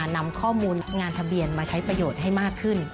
นำข้อมูลงานทะเบียนมาใช้ประโยชน์ให้มากขึ้น